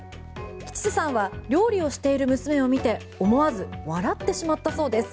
吉瀬さんは料理をしている娘を見て思わず笑ってしまったそうです。